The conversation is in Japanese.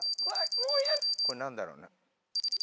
これ何だろうな？